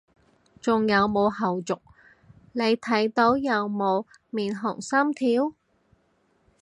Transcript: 仲有冇後續，你睇到有冇面紅心跳？